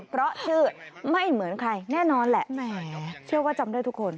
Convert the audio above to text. เพราะชื่อไม่เหมือนใครแน่นอนแหละแหมเชื่อว่าจำได้ทุกคน